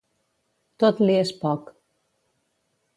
Tot li és poc.